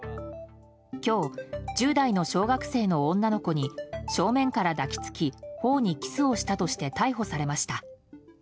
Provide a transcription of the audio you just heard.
今日、１０代の小学生の女の子に正面から抱きつき頬にキスをしたとして逮捕されました。